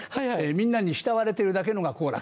みんなに慕われてるだけのが好楽。